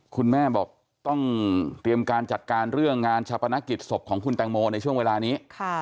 คุณแม่บอกต้องเตรียมการจัดการเรื่องงานชาปนกิจศพของคุณแตงโมในช่วงเวลานี้